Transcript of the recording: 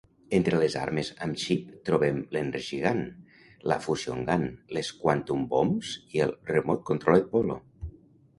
Entre les armes amb xip trobem l'"Energy Gun", la "Fusion Gun", les "Quantum Bombs" i el "Remote-Controlled Bolo".